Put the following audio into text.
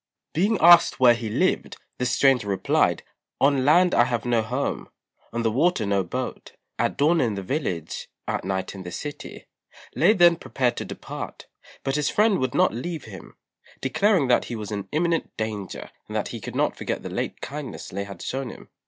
Being asked where he lived, the stranger replied, "On land I have no home, on the water no boat; at dawn in the village, at night in the city." Lê then prepared to depart; but his friend would not leave him, declaring that he was in imminent danger, and that he could not forget the late kindness Lê had shewn him.